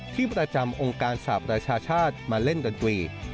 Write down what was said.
ที่ประจำองค์การสหประชาชาติมาเล่นดนตรี